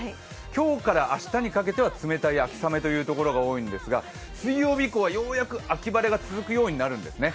今日から明日にかけては冷たい秋雨という所が多いんですが水曜日以降はようやく秋晴れが続くようになるんですね。